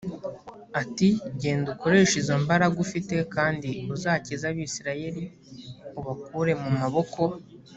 ati “genda ukoreshe izo mbaraga ufite kandi uzakiza abisirayeli ubakure mu maboko